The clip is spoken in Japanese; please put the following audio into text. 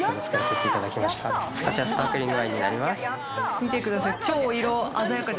見てください。